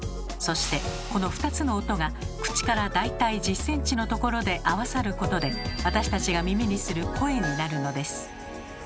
そしてこの２つの音が口から大体１０ｃｍのところで合わさることで私たちが耳にする「声」になるのです。